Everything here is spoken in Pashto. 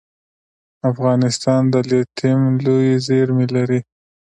افغانستان د لیتیم لویې زیرمې لري